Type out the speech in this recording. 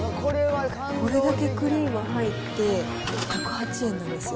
これだけクリーム入って１０８円なんですよ。